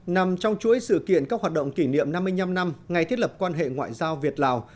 nằm trong chuỗi sự kiện các hoạt động kỷ niệm năm mươi năm năm ngày thiết lập quan hệ ngoại giao việt lào